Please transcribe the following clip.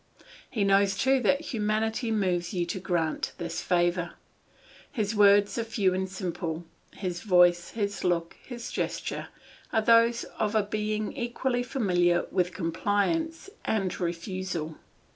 He knows too that humanity moves you to grant this favour; his words are few and simple. His voice, his look, his gesture are those of a being equally familiar with compliance and refusal.